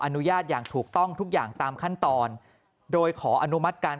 อนุญาตอย่างถูกต้องทุกอย่างตามขั้นตอนโดยขออนุมัติการ